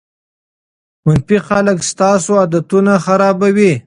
منفي خلک ستاسو عادتونه خرابوي.